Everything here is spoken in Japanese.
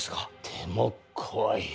でも怖い。